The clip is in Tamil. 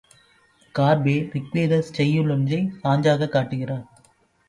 கார்பே, ரிக்வேதச் செய்யுள் ஒன்றைச் சான்றாகக் காட்டுகிறார்.